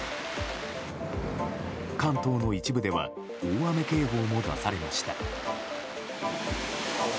関東の一部では大雨警報も出されました。